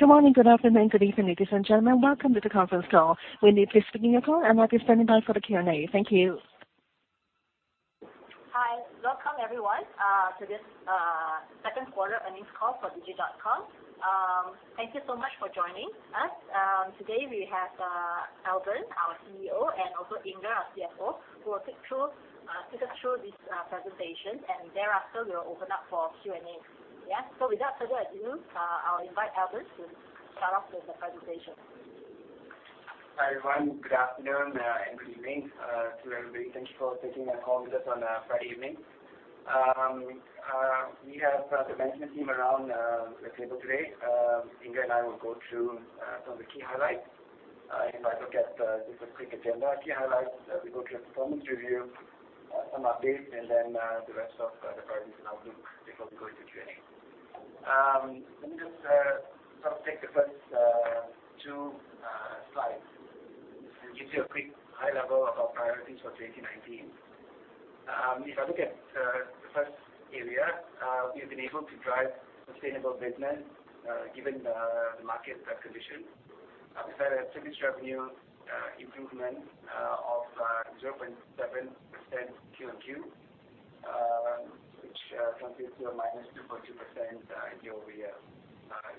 Good morning, good afternoon, and good evening, ladies and gentlemen. Welcome to the conference call. We need to your call, and we'll be standing by for the Q&A. Thank you. Hi. Welcome everyone to this second quarter earnings call for Digi.com. Thank you so much for joining us. Today we have Albern, our CEO, and also Inger, our CFO, who will take us through this presentation, and thereafter we will open up for Q&A. Without further ado, I'll invite Albern to start off with the presentation. Hi, everyone. Good afternoon and good evening to everybody. Thank you for taking the call with us on a Friday evening. We have the management team around the table today. Inger and I will go through some of the key highlights. If I look at just a quick agenda, key highlights, we go through a performance review, some updates, and then the rest of the presentation outlook before we go into Q&A. Let me just take the first two slides. It gives you a quick high level of our priorities for 2019. If I look at the first area, we've been able to drive sustainable business given the market condition. We've had a service revenue improvement of 0.7% Q and Q, which translates to a minus 2.2% year-over-year.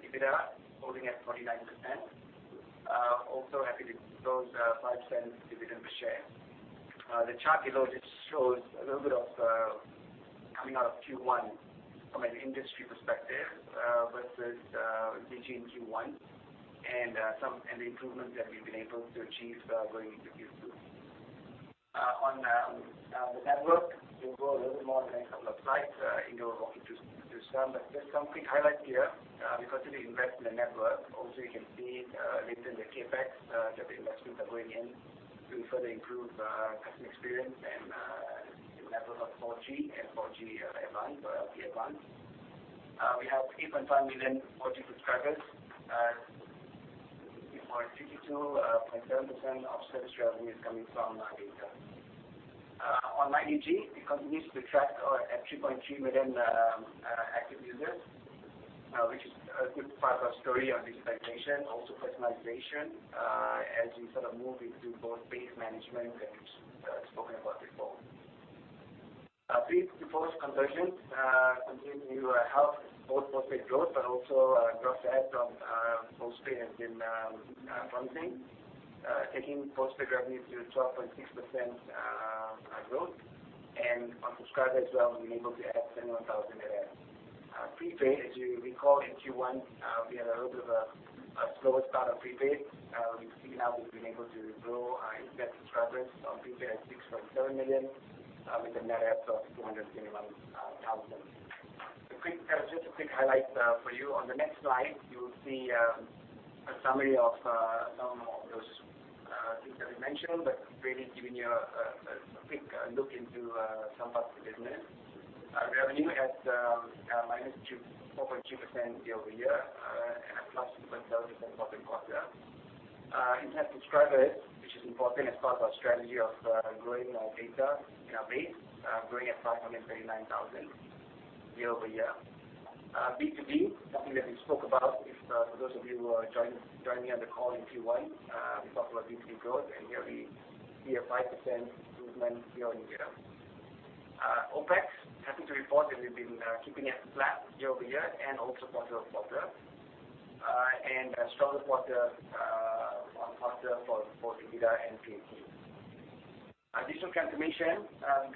EBITDA holding at 49%. Also happy to close 5% dividend per share. The chart below just shows a little bit of coming out of Q1 from an industry perspective versus Digi in Q1, and the improvements that we've been able to achieve going into Q2. On the network, we'll go a little bit more in a couple of slides. Inger will walk you through some, but just some quick highlight here. We continue to invest in the network. Also you can see linked in the CapEx that the investments are going in to further improve customer experience and the network of 4G and 4G Advanced or LTE Advanced. We have 3.5 million 4G subscribers, and 52.7% of service revenue is coming from data. On MyDigi, we continue to attract 3.3 million active users, which is a good part of our story on monetization, also personalization, as we move into both base management that we've spoken about before. Pre to post conversion continue to help both postpaid growth but also gross add from postpaid has been promising, taking postpaid revenue to 12.6% growth. On subscribers as well, we've been able to add 71,000 there. Prepaid, as you recall, in Q1, we had a little bit of a slower start on prepaid. We've seen now we've been able to grow internet subscribers on prepaid, 6.7 million with a net add of 271,000. Just a quick highlight for you on the next slide, you'll see a summary of some of those things that we mentioned, but really giving you a quick look into somewhat the business. Our revenue at -2.2% year-over-year and a +2.7% quarter-on-quarter. Internet subscribers, which is important as part of our strategy of growing our data in our base, growing at 539,000 year-over-year. B2B, something that we spoke about. For those of you who are joining on the call in Q1, we talked about B2B growth, here we see a 5% improvement year-on-year. OPEX, happy to report that we've been keeping it flat year-over-year quarter-over-quarter, and a stronger quarter-on-quarter for both EBITDA and PAT. Digital transformation. By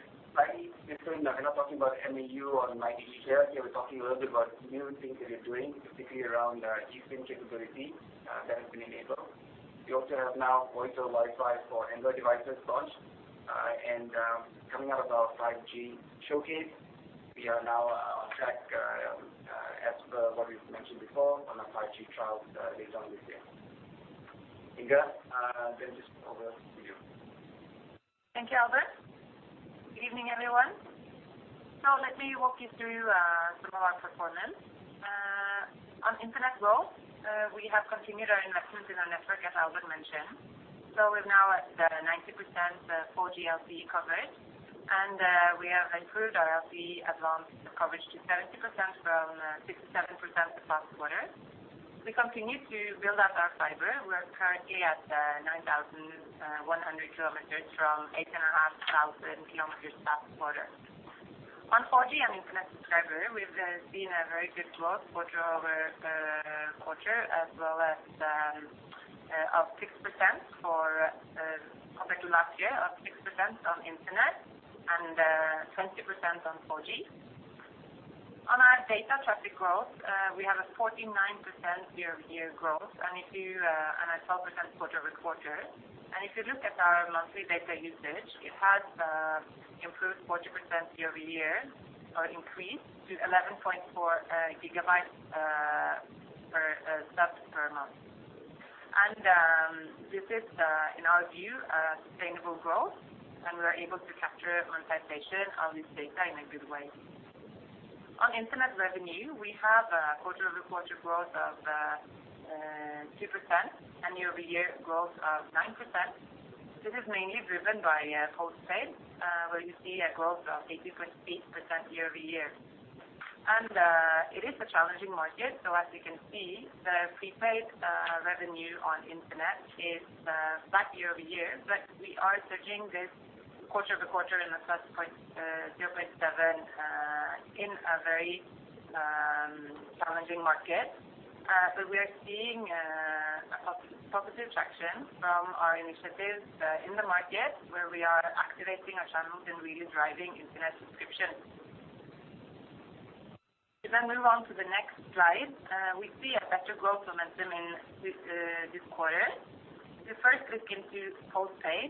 digital, we're not talking about MAU on MyDigi here. Here we're talking a little bit about new things that we're doing, specifically around eSIM capability that has been enabled. We also have now Voice over Wi-Fi for Android devices launched. Coming out of our 5G showcase, we are now on track as per what we've mentioned before on our 5G trials later on this year. Inger, just over to you. Thank you, Albern. Good evening, everyone. Let me walk you through some of our performance. On internet growth, we have continued our investment in our network, as Albern mentioned. We're now at 90% 4GLTE coverage, and we have improved our LTE Advanced coverage to 70% from 67% the past quarter. We continue to build out our fiber. We're currently at 9,100 kilometers from 8,500 kilometers last quarter. On 4G and internet subscriber, we've seen a very good growth quarter-over-quarter as well as of 6% compared to last year, of 6% on internet and 20% on 4G. On our data traffic growth, we have a 49% year-over-year growth and a 12% quarter-over-quarter. If you look at our monthly data usage, it has improved 40% year-over-year or increased to 11.4 gigabytes per sub per month. This is, in our view, a sustainable growth, and we're able to capture it on citation on this data in a good way. On internet revenue, we have a quarter-over-quarter growth of 8.2% and year-over-year growth of 9%. This is mainly driven by postpaid, where you see a growth of 8.8% year-over-year. It is a challenging market. As you can see, the prepaid revenue on Internet is flat year-over-year, we are surging this quarter-over-quarter in the +0.7 in a very challenging market. We are seeing a positive traction from our initiatives in the market where we are activating our channels and really driving Internet subscriptions. If I move on to the next slide, we see a better growth momentum in this quarter. We first look into postpaid,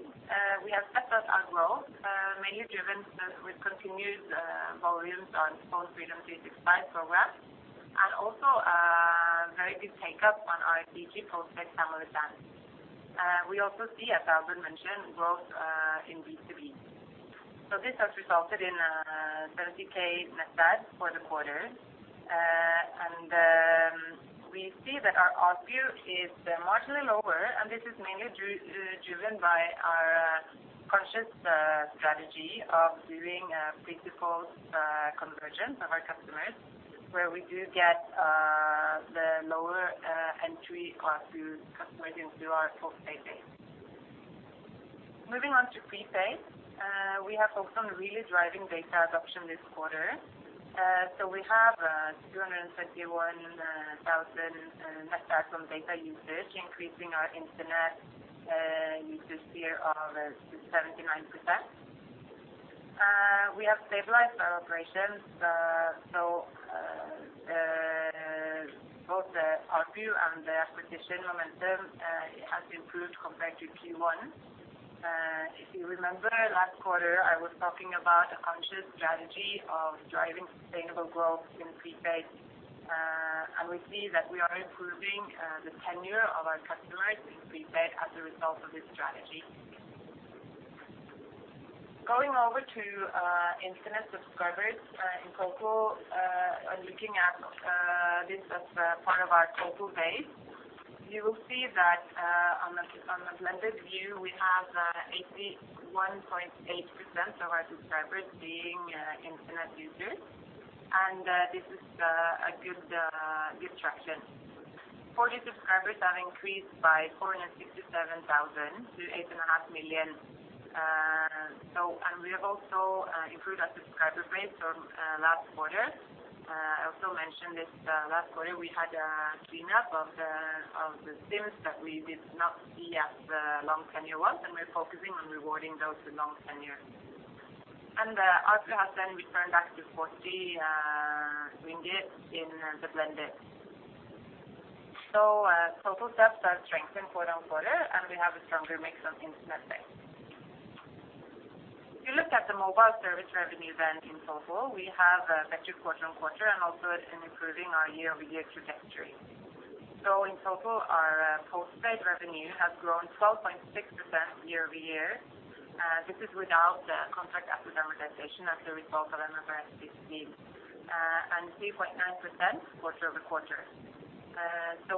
we have stepped up our growth, mainly driven with continued volumes on PhoneFreedom 365 program, and also a very big take-up on our Digi Postpaid family plans. We also see, as Albern mentioned, growth in B2B. This has resulted in a 30,000 net add for the quarter. We see that our ARPU is marginally lower, and this is mainly driven by our conscious strategy of doing a prepaid-postpaid conversion of our customers, where we do get the lower entry class customers into our postpaid base. Moving on to prepaid. We have focused on really driving data adoption this quarter. We have 221,000 net add from data usage, increasing our Internet user sphere of 79%. We have stabilized our operations, both the ARPU and the acquisition momentum has improved compared to Q1. If you remember last quarter, I was talking about a conscious strategy of driving sustainable growth in prepaid, and we see that we are improving the tenure of our customers in prepaid as a result of this strategy. Going over to Internet subscribers in total, looking at this as part of our total base, you will see that on a blended view, we have 81.8% of our subscribers being Internet users. This is a good traction. 4G subscribers have increased by 467,000 to 8.5 million. We have also improved our subscriber base from last quarter. I also mentioned this last quarter, we had a cleanup of the SIMs that we did not see as long tenure ones, and we're focusing on rewarding those with long tenure. ARPU has then returned back to 40 ringgit in the blended. Total subs has strengthened quarter-on-quarter, and we have a stronger mix of Internet base. If you look at the mobile service revenue then in total, we have better quarter-on-quarter and also in improving our year-over-year trajectory. In total, our postpaid revenue has grown 12.6% year-over-year. This is without the contract asset amortization as a result of MFRS 15, and 3.9% quarter-over-quarter.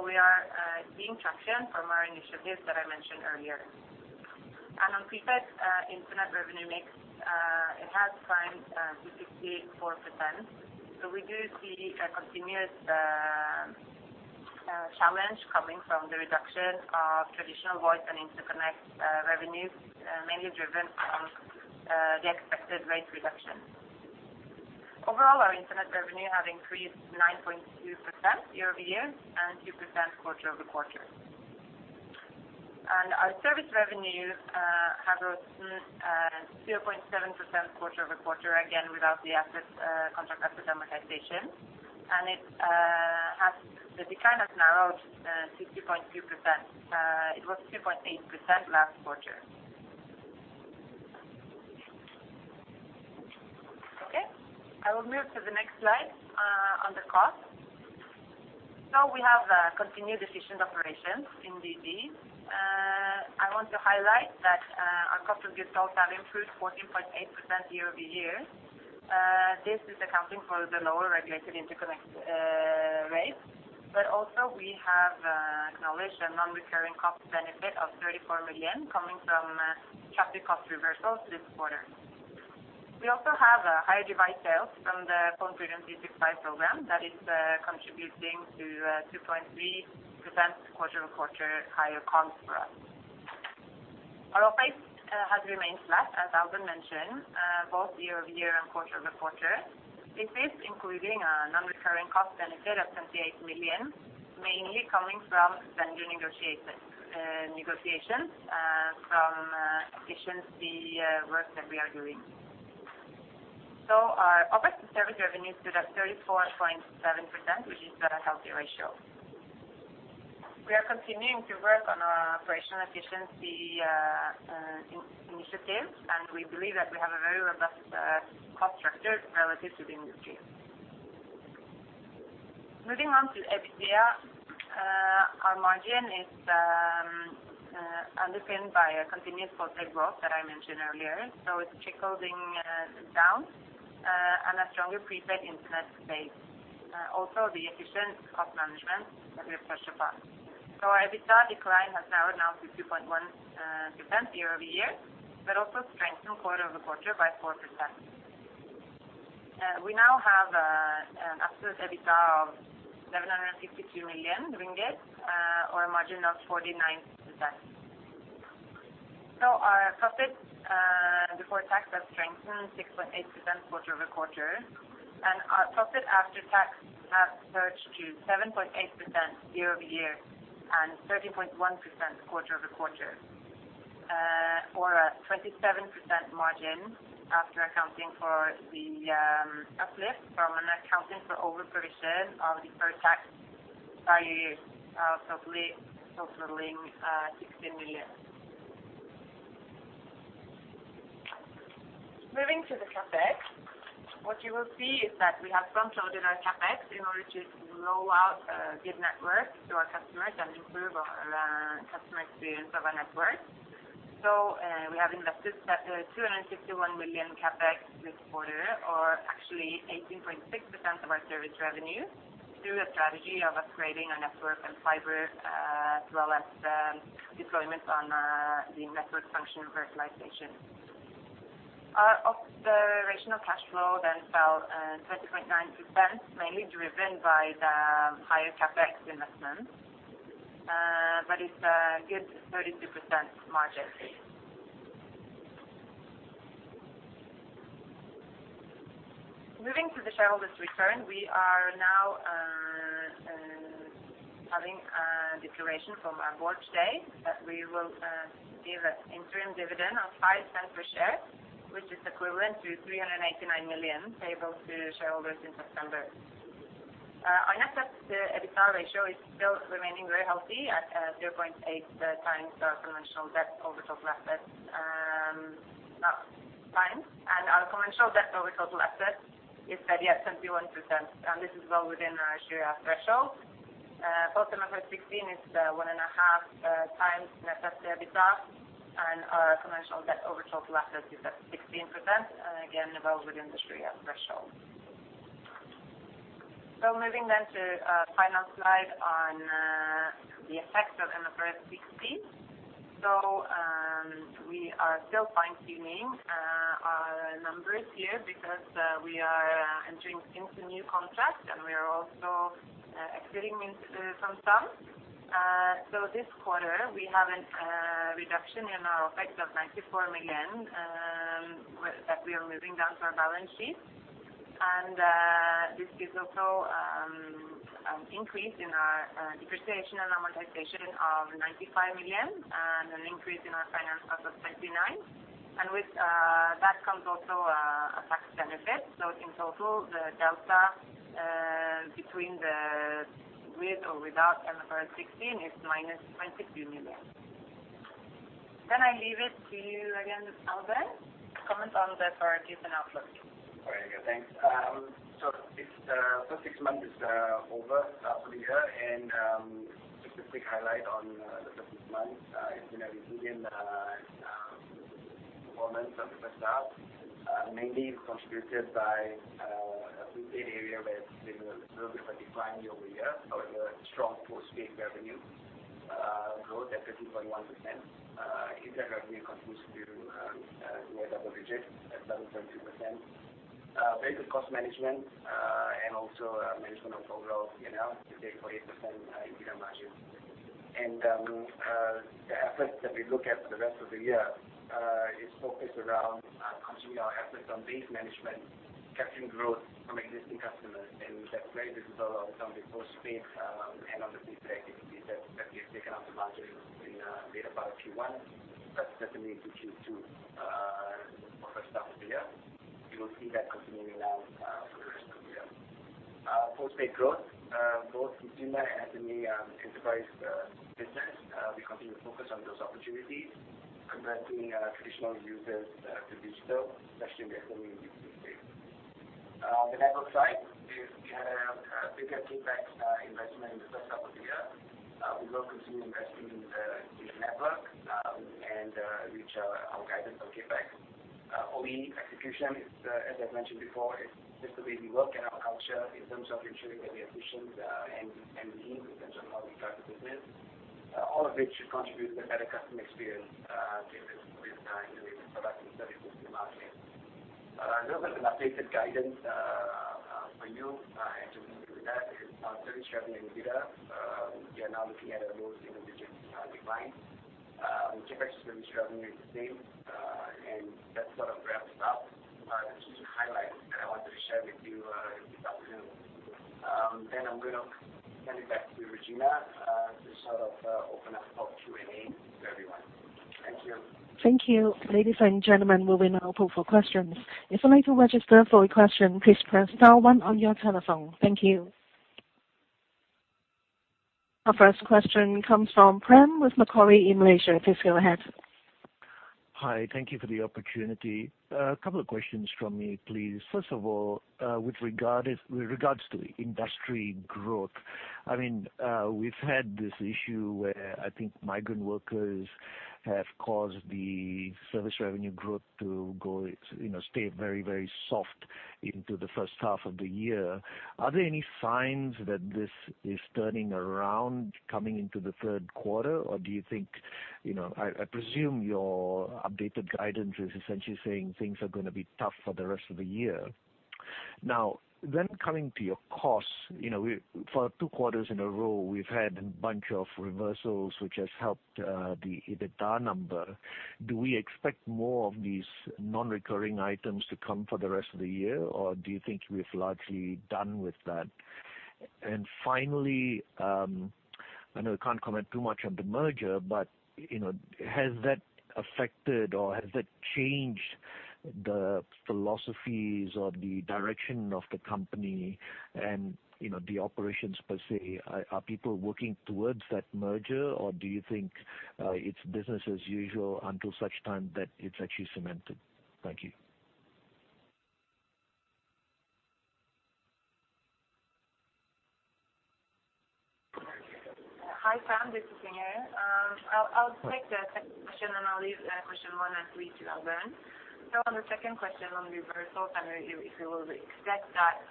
We are seeing traction from our initiatives that I mentioned earlier. On prepaid Internet revenue mix, it has climbed to 64%. We do see a continued challenge coming from the reduction of traditional voice and interconnect revenues, mainly driven from the expected rate reduction. Overall, our Internet revenue have increased 9.2% year-over-year and 2% quarter-over-quarter. Our service revenue have grown 0.7% quarter-over-quarter, again, without the contract asset amortization, and the decline has narrowed to 2.2%. It was 2.8% last quarter. Okay. I will move to the next slide on the cost. We have continued efficient operations in Digi. I want to highlight that our cost of goods sold have improved 14.8% year-over-year. This is accounting for the lower regulated interconnect rate. Also we have acknowledged a non-recurring cost benefit of 34 million coming from traffic cost reversal this quarter. We also have higher device sales from the PhoneFreedom 365 program that is contributing to 2.3% quarter-over-quarter higher costs for us. Our OPEX has remained flat, as Albern mentioned, both year-over-year and quarter-over-quarter. This is including a non-recurring cost benefit of 28 million, mainly coming from vendor negotiations from efficiency work that we are doing. Our OPEX to service revenue stood at 34.7%, which is a healthy ratio. We are continuing to work on our operational efficiency initiatives, and we believe that we have a very robust cost structure relative to the industry. Moving on to EBITDA. Our margin is underpinned by a continuous posted growth that I mentioned earlier. It's check holding down, and a stronger prepaid Internet space. Also the efficient cost management that we have touched upon. EBITDA decline has now announced a 2.1% year-over-year, but also strengthened quarter-over-quarter by 4%. We now have an absolute EBITDA of 752 million ringgit, or a margin of 49%. Our profit before tax has strengthened 6.8% quarter-over-quarter, and our profit after tax has surged to 7.8% year-over-year and 13.1% quarter-over-quarter, for a 27% margin after accounting for the uplift from an accounting for over-provision of deferred tax values totaling MYR 16 million. Moving to the CapEx, what you will see is that we have front-loaded our CapEx in order to roll out a good network to our customers and improve our customer experience of our network. We have invested 251 million CapEx this quarter or actually 18.6% of our service revenue through a strategy of upgrading our network and fiber, as well as deployment on the Network Function Virtualization. Our operational cash flow fell 20.9%, mainly driven by the higher CapEx investments. It's a good 32% margin. Moving to the shareholders return. We are now having a declaration from our board today that we will give an interim dividend of 0.05 per share, which is equivalent to 389 million payable to shareholders in September. Our net debt-to-EBITDA ratio is still remaining very healthy at 0.8 times our conventional debt over total assets. Our conventional debt over total assets is steady at 71%, and this is well within our Shariah threshold. MFRS 16 is one and a half times net debt-to-EBITDA, and our conventional debt over total assets is at 16%, and again, well within Shariah threshold. Moving to final slide on the effects of MFRS 16. We are still fine-tuning our numbers here because we are entering into new contracts, and we are also exiting some terms. This quarter, we have a reduction in our OPEX of 94 million, that we are moving down to our balance sheet. This gives also an increase in our depreciation and amortization of 95 million and an increase in our finance cost of 29. With that comes also a tax benefit. In total, the delta between the with or without MFRS 16 is -22 million. I leave it to you again, Albern, to comment on the third quarter outlook. All right, good. Thanks. The first six months is over for the year, just a quick highlight on the first six months. It's been a resilient performance from Digi, mainly contributed by a prepaid area where it's been a little bit of a decline year-over-year. However, strong postpaid revenue growth at 15.1%. EBITDA revenue contributes to a double digit at 7.2%. Very good cost management, also management of overall FL to take 48% EBITDA margin. The efforts that we look at for the rest of the year, is focused around continuing our efforts on base management, capturing growth from existing customers, and that's very visible over some of the postpaid and on the data activities that we have taken out to market in later part of Q1, but certainly into Q2 for the start of the year. You will see that continuing on for the rest of the year. Postpaid growth, both consumer and SME enterprise business, we continue to focus on those opportunities, converting traditional users to digital, especially the SME space. On the network side, we have a bigger CapEx investment in the first half of the year. We will continue investing in the network, reach our guidance on CapEx. OE execution is, as I've mentioned before, it's just the way we work and our culture in terms of ensuring that we are efficient and lean in terms of how we drive the business. All of which should contribute to a better customer experience given the latest product and services to the market. A little bit of an updated guidance for you. To do that is our service revenue and EBITDA. We are now looking at a low single-digit decline. CapEx service revenue is the same. That sort of wraps up the key highlights that I wanted to share with you this afternoon. I'm going to hand it back to Regina, to sort of open up for Q&A to everyone. Thank you. Thank you. Ladies and gentlemen, we will now open for questions. If you'd like to register for a question, please press star one on your telephone. Thank you. Our first question comes from Prem with Macquarie in Malaysia. Please go ahead. Hi. Thank you for the opportunity. A couple of questions from me, please. First of all, with regards to industry growth, we've had this issue where I think migrant workers have caused the service revenue growth to stay very soft into the first half of the year. Are there any signs that this is turning around coming into the third quarter, or do you think I presume your updated guidance is essentially saying things are going to be tough for the rest of the year. Coming to your costs. For two quarters in a row, we've had a bunch of reversals which has helped the EBITDA number. Do we expect more of these non-recurring items to come for the rest of the year, or do you think we're largely done with that? Finally, I know we can't comment too much on the merger. Has that affected or has that changed the philosophies or the direction of the company and the operations per se? Are people working towards that merger or do you think it's business as usual until such time that it's actually cemented? Thank you. Hi, Prem. This is Inger. I'll take the second question and I'll leave question one and three to Albern. On the second question on reversal, if you will expect that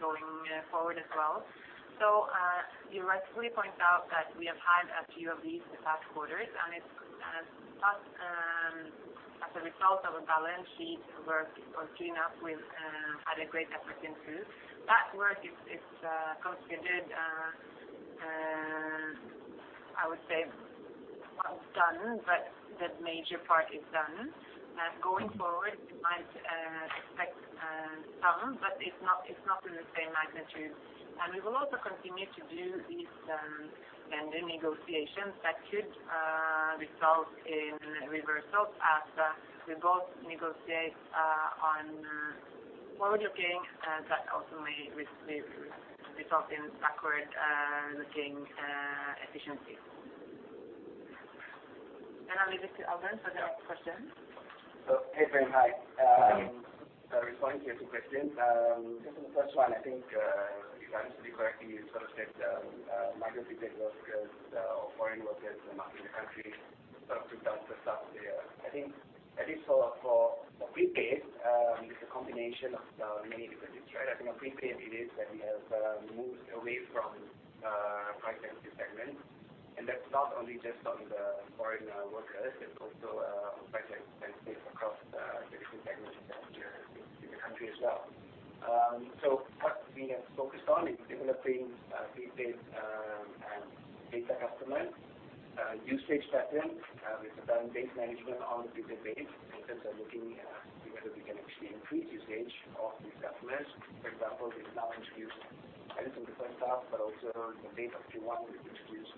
going forward as well. You rightly point out that we have had a few of these in the past quarters. As a result of a balance sheet work or clean up, we've had a great effort into. That work is considered, I would say, done. The major part is done. Going forward, you might expect some. It's not to the same magnitude. We will also continue to do these vendor negotiations that could result in reversals as we both negotiate on forward-looking, that ultimately result in backward-looking efficiencies. I'll leave it to Albern for the next question. Hey, Prem. Hi. Hi. Responding to your two questions. Just on the first one, I think, if I understood correctly, you sort of said migrant workers or foreign workers in the country sort of took down the stuff there. For prepaid, it's a combination of many different things. On prepaid it is that we have moved away from price-sensitive segments and that's not only just on the foreign workers, it's also on price sensitive across the different segments in the country as well. What we have focused on is developing prepaid and data customers, usage pattern with the current base management on a prepaid base in terms of looking at whether we can actually increase usage of these customers. For example, we've now introduced some different stuff, but also in the data stream one, we've introduced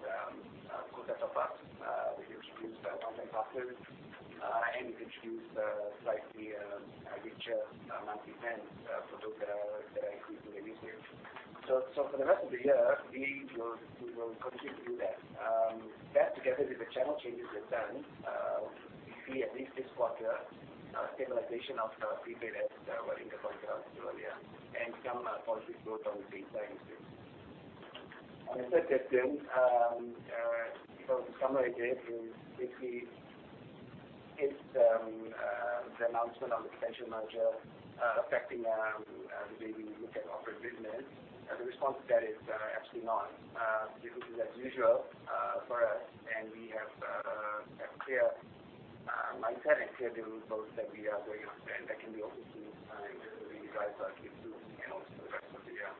quota top-up, we've introduced one-time passes, and we've introduced slightly richer monthly plans for those that are increasing their usage. For the rest of the year, we will continue to do that. That together with the channel changes we've done, we see at least this quarter, stabilization of prepaid ARPU that were in the quarter up to earlier and some positive growth on the data usage. On the second question, to summarize it is, if the announcement on the potential merger affecting the way we look at operator business. The response to that is absolutely not. Business is as usual for us and we have a clear mindset and clear deliverables that we are going after and that can be also seen in the way we guide for Q2 and also the rest of the year.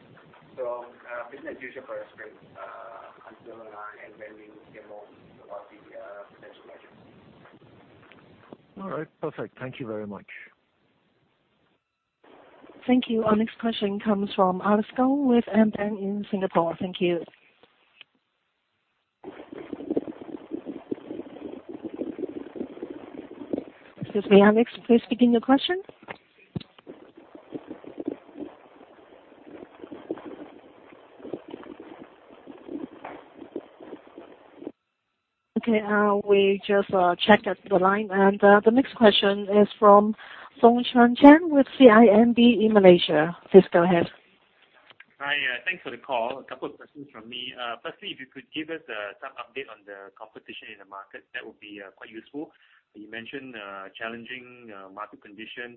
Business as usual for us, Prem, until and when we hear more about the potential merger. All right. Perfect. Thank you very much. Thank you. Our next question comes from Alex Goh with AmBank in Singapore. Thank you. Excuse me, Alex Goh, please begin your question. Okay. We just checked the line and the next question is from Foong Choong Chen with CIMB in Malaysia. Please go ahead. Hi. Thanks for the call. A couple of questions from me. Firstly, if you could give us some update on the competition in the market, that would be quite useful. You mentioned challenging market conditions.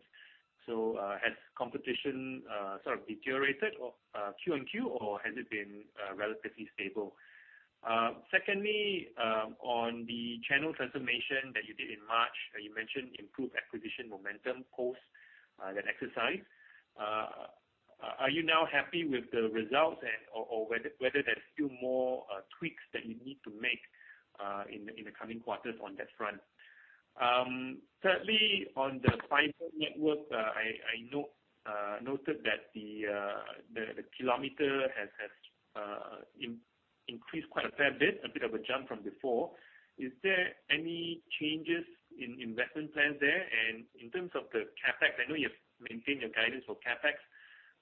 Has competition sort of deteriorated Q on Q or has it been relatively stable? Secondly, on the channel transformation that you did in March, you mentioned improved acquisition momentum post that exercise. Are you now happy with the results and, or whether there's few more tweaks that you need to make in the coming quarters on that front? Thirdly, on the fiber network, I noted that the kilometer has increased quite a fair bit, a bit of a jump from before. Is there any changes in investment plans there? In terms of the CapEx, I know you've maintained your guidance for CapEx,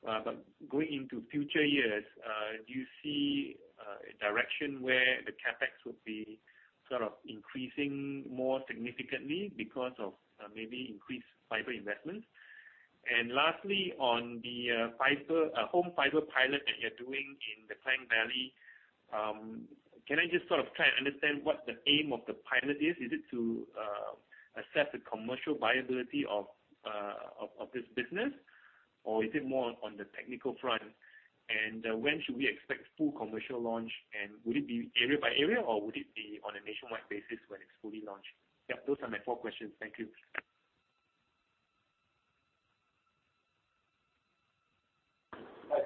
but going into future years, do you see direction where the CapEx would be increasing more significantly because of maybe increased fiber investments. Lastly, on the home fiber pilot that you're doing in the Klang Valley, can I just try and understand what the aim of the pilot is? Is it to assess the commercial viability of this business or is it more on the technical front? When should we expect full commercial launch, and will it be area by area or would it be on a nationwide basis when it's fully launched? Yep, those are my four questions. Thank you.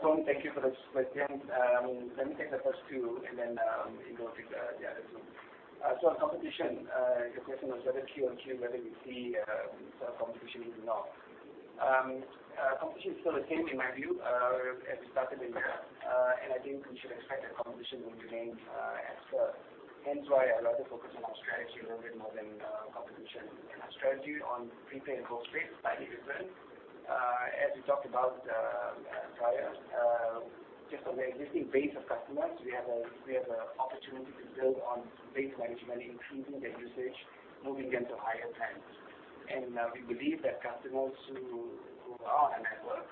Foong, thank you for those questions. Let me take the first two and then Inger with the others. On competition, your question was whether Q on Q, whether we see competition or not. Competition is still the same in my view as we started the year. I think we should expect that competition will remain as per, hence why I'd rather focus on our strategy a little bit more than competition. Our strategy on prepaid and post-paid is slightly different. As we talked about prior, just on the existing base of customers, we have an opportunity to build on base management, increasing their usage, moving them to higher plans. We believe that customers who are on our network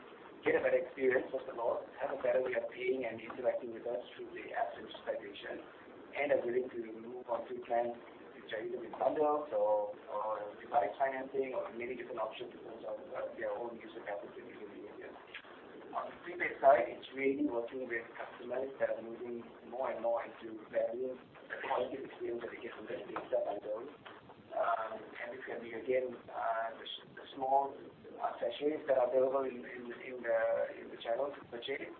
get a better experience, first of all, have a better way of paying and interacting with us through the app and digitization, and are willing to move onto plans which are either in bundle or device financing or many different options based on their own user patterns and behavior. On the prepaid side, it is really working with customers that are moving more and more into valuing the quality of experience that they get from their data bundles. This can be, again, the small sachets that are available in the channels, the chains,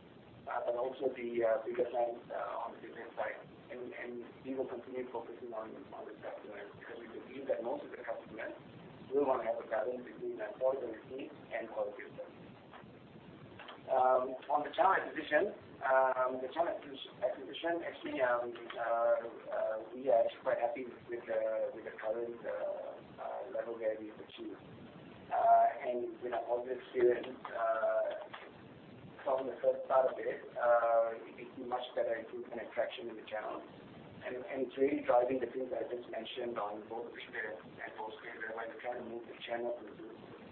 and also the bigger plans on the different sides. We will continue focusing on these customers because we believe that most of the customers will want to have a balance between affordability and quality of service. On the channel acquisition, actually, we are quite happy with the current level where we have achieved. With our mobile experience, from the first part of it is much better improvement and attraction in the channels. It is really driving the things I just mentioned on both prepaid and postpaid, where we are trying to move the channel to be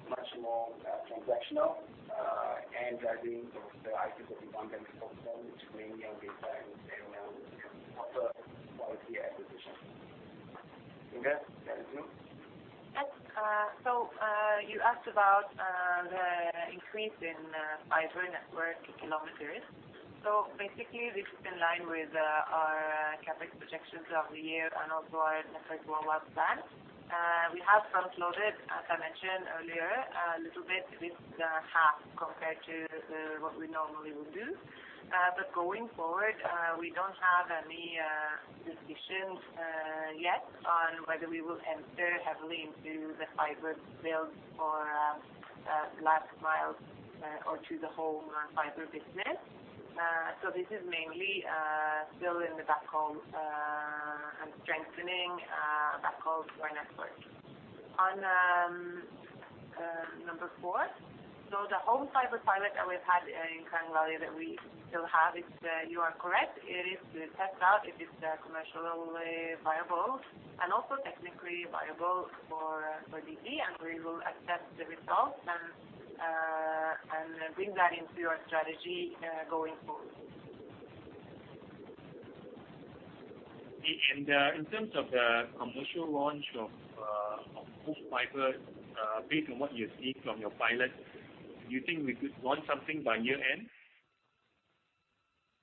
much more transactional, and driving the items that we want them to focus on, which mainly on data and stay around. Also, quality acquisition. Inger, do you want to? Yes. You asked about the increase in fiber network kilometers. Basically, this is in line with our CapEx projections of the year and also our network rollout plan. We have front-loaded, as I mentioned earlier, a little bit with half compared to what we normally would do. Going forward, we do not have any decisions yet on whether we will enter heavily into the fiber build for last mile or to the home fiber business. This is mainly building the backhaul and strengthening backhaul for our network. On number 4, the home fiber pilot that we have had in Klang Valley that we still have, you are correct. It is to test out if it is commercially viable and also technically viable for Digi, and we will assess the results and bring that into our strategy going forward. Okay. In terms of the commercial launch of full fiber, based on what you see from your pilot, do you think we could launch something by year-end?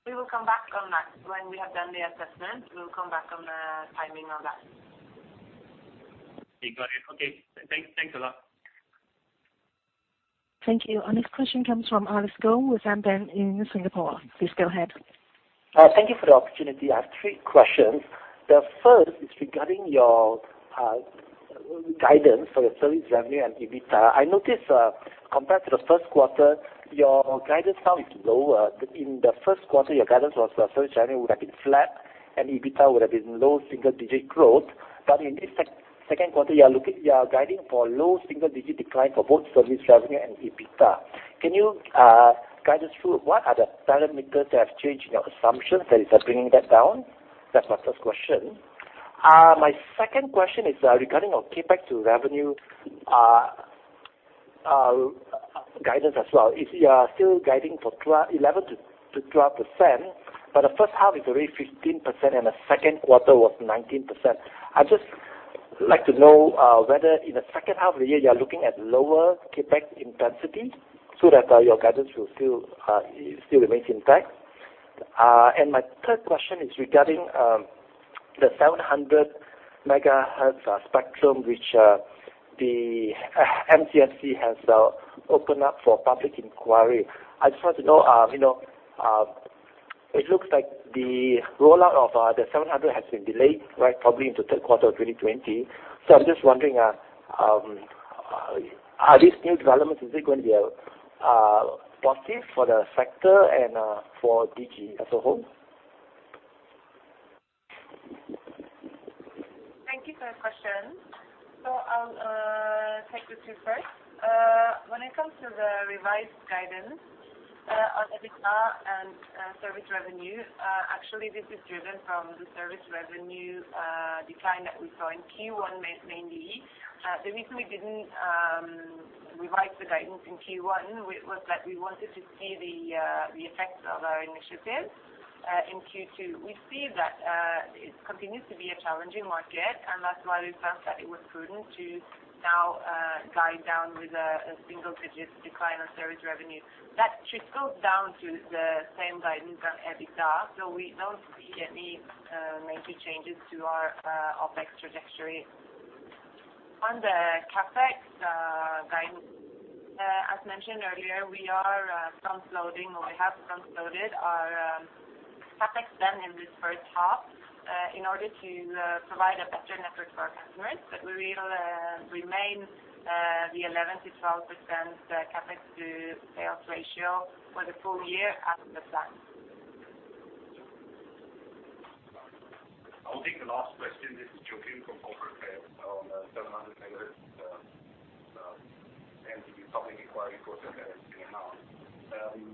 We will come back on that. When we have done the assessment, we'll come back on the timing of that. Okay, got it. Okay. Thanks a lot. Thank you. Our next question comes from Alice Goh with AmBank in Singapore. Please go ahead. Thank you for the opportunity. I have three questions. The first is regarding your guidance for your service revenue and EBITDA. I noticed, compared to the first quarter, your guidance now is lower. In the first quarter, your guidance was that service revenue would have been flat and EBITDA would have been low single-digit growth. In this second quarter, you are guiding for low single-digit decline for both service revenue and EBITDA. Can you guide us through what are the parameters that have changed in your assumptions that is bringing that down? That's my first question. My second question is regarding on CapEx to revenue guidance as well. If you are still guiding for 11%-12%, but the first half is already 15% and the second quarter was 19%. I'd just like to know whether in the second half of the year, you are looking at lower CapEx intensity so that your guidance will still remain intact. My third question is regarding the 700 MHz spectrum, which the MCMC has opened up for public inquiry. I just want to know, it looks like the rollout of the 700 has been delayed, right? Probably into third quarter of 2020. I'm just wondering, are these new developments, is it going to be a positive for the sector and for Digi as a whole? Thank you for the question. I'll take the two first. When it comes to the revised guidance on EBITDA and service revenue, actually this is driven from the service revenue decline that we saw in Q1 mainly. The reason we didn't revise the guidance in Q1 was that we wanted to see the effects of our initiatives in Q2. We see that it continues to be a challenging market, and that's why we felt that it was prudent to now guide down with a single-digit decline on service revenue. That should spill down to the same guidance on EBITDA. We don't see any major changes to our OpEx trajectory. On the CapEx guidance, as mentioned earlier, we are front-loading, or we have front-loaded our CapEx spend in this first half in order to provide a better network for our customers. We will remain the 11%-12% CapEx to sales ratio for the full year as planned. I'll take the last question. This is Joachim from Digi on 700 MHz, and the public inquiry process that has been announced. This,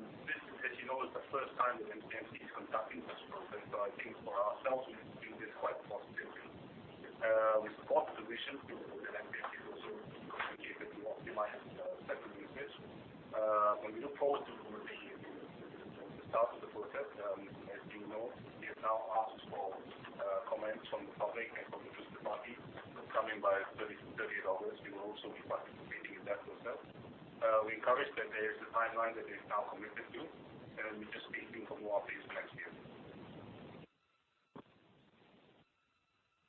as you know, is the first time that MCMC is conducting this program. I think for ourselves, we view this quite positively. We support the vision because it is also interconnected to optimize spectrum usage. We look forward to the start of the process, as you know, we have now asked for comments from the public and from interested parties to come in by 30th August. We will also be participating in that process. We encourage that there is a timeline that is now committed to, we're just waiting for more updates next year.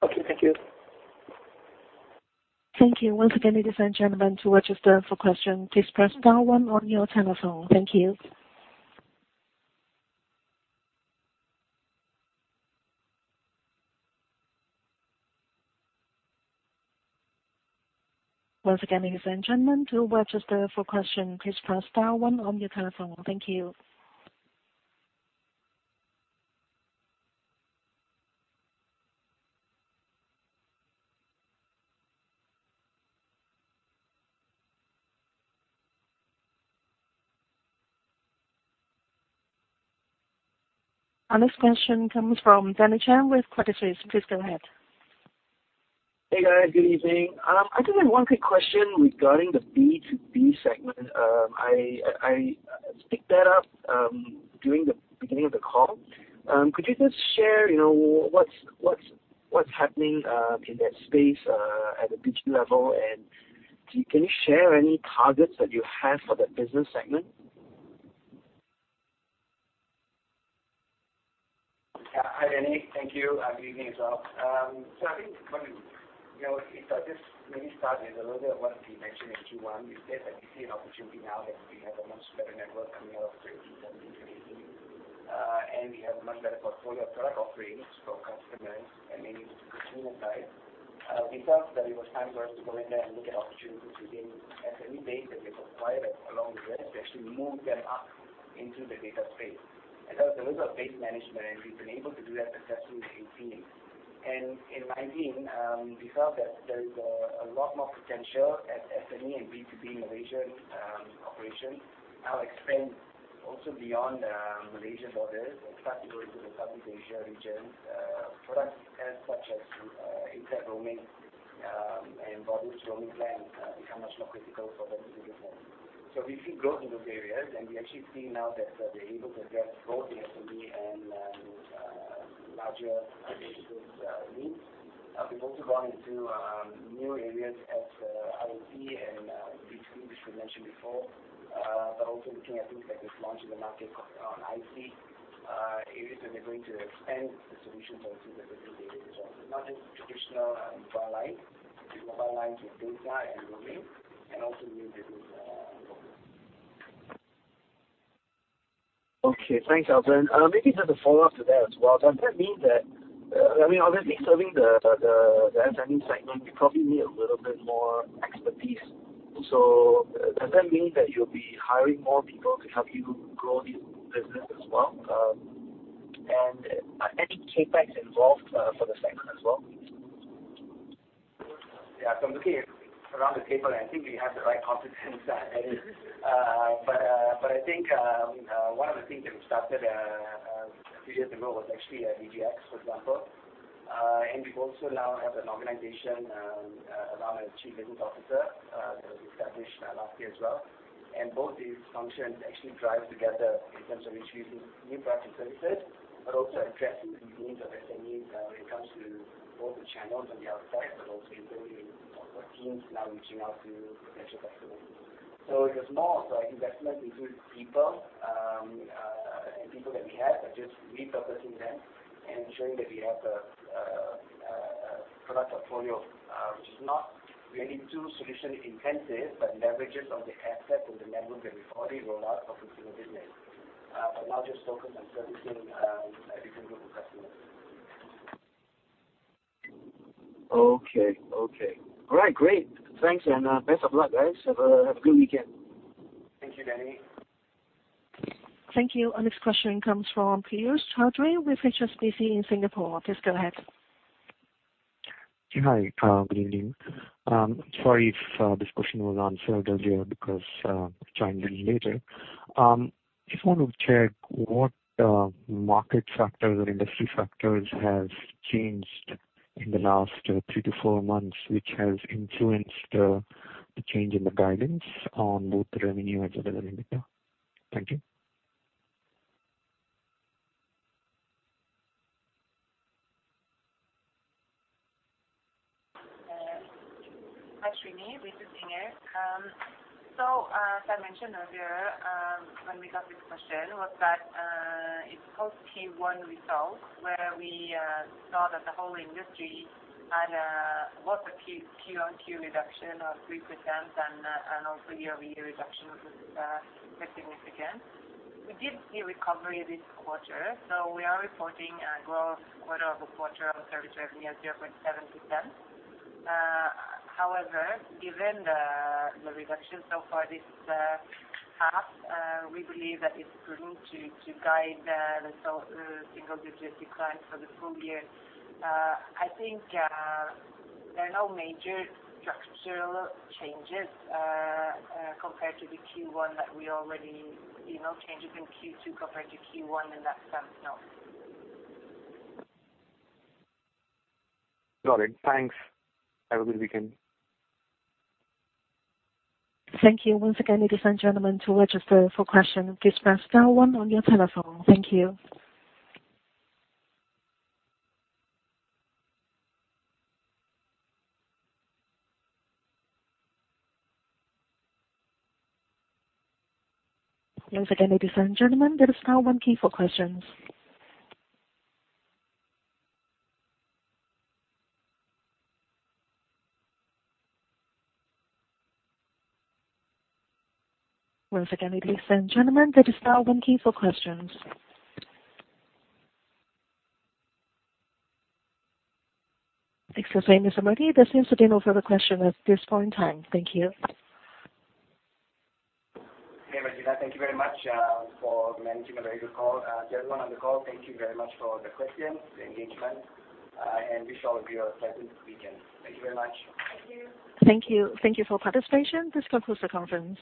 Okay, thank you. Thank you. Once again, ladies and gentlemen, to register for question, please press star one on your telephone. Thank you. Once again, ladies and gentlemen, to register for question, please press star one on your telephone. Thank you. Our next question comes from Danny Chang with Credit Suisse. Please go ahead. Hey, guys. Good evening. I just have one quick question regarding the B2B segment. I picked that up during the beginning of the call. Could you just share what's happening in that space at a business level, and can you share any targets that you have for that business segment? Hi, Danny. Thank you. Good evening as well. I think if I just maybe start with a little bit of what we mentioned in Q1, is that we see an opportunity now that we have a much better network coming out of 2017, 2018. We have a much better portfolio of product offerings for customers and mainly the consumer side. We felt that it was time for us to go in there and look at opportunities within SME base that we've acquired, and along with that, to actually move them up into the data space. In terms of data base management, we've been able to do that successfully in 2018. In 2019, we felt that there is a lot more potential at SME and B2B Malaysian operations. Now expand also beyond Malaysian borders. In fact, we go into the Southeast Asia region. Products such as inter-roaming and mobile roaming plans become much more critical for the business model. We see growth in those areas, and we actually see now that we're able to address both the SME and larger businesses' needs. We've also gone into new areas as IoT and B2B, which we mentioned before. Also looking at things that we've launched in the market on IT, areas that we're going to expand the solutions also for the business data as well, not just traditional mobile lines with data and roaming and also new business models. Okay. Thanks, Albern. Maybe just a follow-up to that as well. Does that mean that, obviously, serving the SME segment, you probably need a little bit more expertise? Does that mean that you'll be hiring more people to help you grow this business as well? And are any CapEx involved for the segment as well? Yeah. From looking around the table, I think we have the right competence. I think one of the things that we started a few years ago was actually a Digi-X, for example. We also now have an organization around a chief business officer that was established last year as well. Both these functions actually drive together in terms of introducing new products and services, but also addressing the needs of SMEs when it comes to both the channels on the outside, but also internally, our teams now reaching out to potential customers. It is more of an investment into people, and people that we have, but just repurposing them and ensuring that we have a product portfolio which is not really too solution intensive, but leverages on the assets and the network that we've already rolled out for consumer business. Not just focused on servicing a different group of customers. Okay. All right, great. Thanks, best of luck, guys. Have a good weekend. Thank you, Danny. Thank you. Our next question comes from Piyush Choudhary with HSBC in Singapore. Please go ahead. Hi. Good evening. Sorry if this question was answered earlier because I joined a little later. Just want to check what market factors or industry factors have changed in the last three to four months, which has influenced the change in the guidance on both revenue and EBITDA. Thank you. Hi, Piyush. Inger here. As I mentioned earlier, when we got this question, was that it's post Q1 results where we saw that the whole industry had lots of Q-on-Q reduction of 3% and also year-over-year reduction was pretty significant. We did see recovery this quarter, so we are reporting a growth quarter-over-quarter of 30 revenue, 0.7%. Given the reduction so far this half, we believe that it's prudent to guide the single-digit decline for the full year. I think there are no major structural changes compared to the Q1. Changes in Q2 compared to Q1 in that sense, no. Got it. Thanks. Have a good weekend. Thank you. Once again, ladies and gentlemen, to register for question, please press star one on your telephone. Thank you. Once again, ladies and gentlemen, that is now open for questions. Once again, ladies and gentlemen, that is now open for questions. Excuse me, Mr. Murty. There seems to be no further question at this point in time. Thank you. Hey, Regina. Thank you very much for managing a very good call. Everyone on the call, thank you very much for the questions, the engagement, and wish all of you a pleasant weekend. Thank you very much. Thank you. Thank you. Thank you for participation. This concludes the conference.